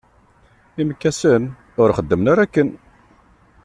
Imekkasen, ur xeddmen ara akken?